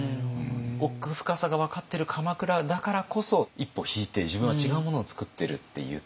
奥深さが分かってる鎌倉だからこそ一歩引いて自分は違うものを作ってるって言った。